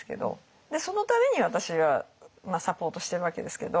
そのために私はサポートしてるわけですけど。